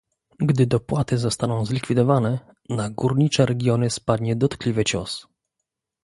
Gdy dopłaty zostaną zlikwidowane, na górnicze regiony spadnie dotkliwy cios